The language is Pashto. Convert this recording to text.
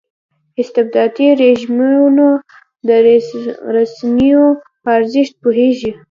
استبدادي رژیمونه د رسنیو په ارزښت پوهېږي.